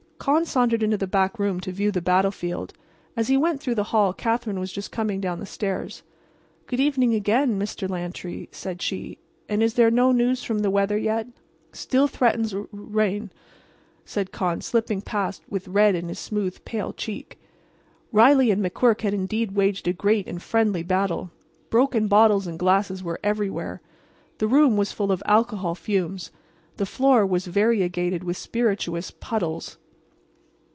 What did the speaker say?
Con sauntered into the back room to view the battlefield. As he went through the hall Katherine was just coming down the stairs. "Good evening again, Mr. Lantry," said she. "And is there no news from the weather yet?" "Still threatens r rain," said Con, slipping past with red in his smooth, pale cheek. Riley and McQuirk had indeed waged a great and friendly battle. Broken bottles and glasses were everywhere. The room was full of alcohol fumes; the floor was variegated with spirituous puddles.